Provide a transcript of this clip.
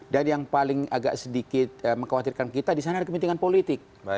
dan yang paling agak sedikit mengkhawatirkan kita di sana ada kepentingan politik